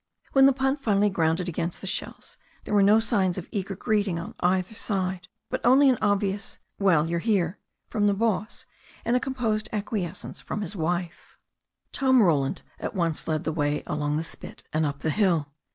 When the punt finally grounded against the shells there 22 THE STORY OF A NEW ZEALAND RIVER were no signs of eager greeting on either side, but only an obvious "Well, you're here" from the boss, and a composed acquiescence from his wife. Tom Roland at once led the way along the spit and up the hill.